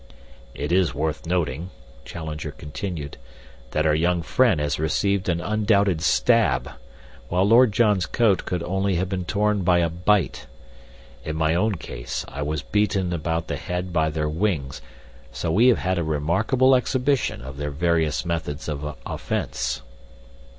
"It is worth noting," Challenger continued, "that our young friend has received an undoubted stab, while Lord John's coat could only have been torn by a bite. In my own case, I was beaten about the head by their wings, so we have had a remarkable exhibition of their various methods of offence."